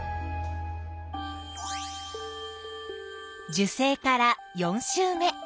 受精から４週目。